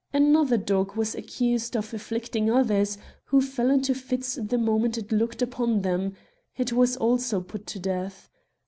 Another dog was accused of afflicting others, who fell into fits the moment it looked upon them ; it was also put to death.